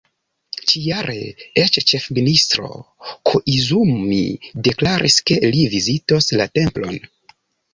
Ĉi-jare eĉ ĉefministro Koizumi deklaris, ke li vizitos la templon.